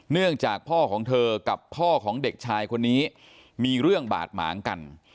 เนื่องจากพ่อของเธอกับพ่อของเด็กชายคนนี้มีเรื่องบาดหมางกัน